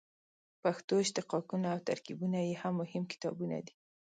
پښتو اشتقاقونه او ترکیبونه یې هم مهم کتابونه دي.